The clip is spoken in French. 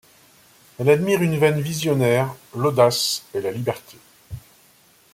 Elle admire une veine visionnaire, l’audace et la liberté.